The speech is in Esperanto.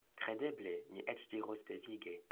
Kredeble; mi eĉ diros devige.